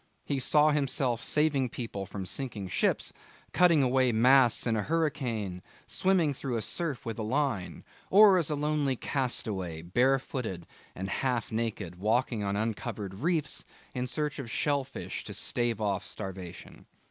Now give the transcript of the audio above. He saw himself saving people from sinking ships, cutting away masts in a hurricane, swimming through a surf with a line; or as a lonely castaway, barefooted and half naked, walking on uncovered reefs in search of shellfish to stave off starvation.